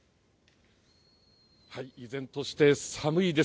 依然として寒いです。